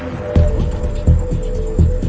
สวัสดีครับ